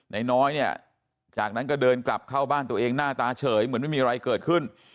น้อยเนี่ยจากนั้นก็เดินกลับเข้าบ้านตัวเองหน้าตาเฉยเหมือนไม่มีอะไรเกิดขึ้น